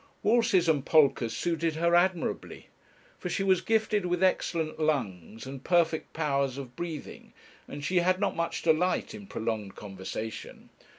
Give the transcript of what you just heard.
Waltzes and polkas suited her admirably; for she was gifted with excellent lungs and perfect powers of breathing, and she had not much delight in prolonged conversation.